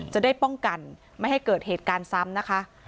จะได้ป้องกันไม่ให้เกิดเหตุการณ์ซ้ำนะคะ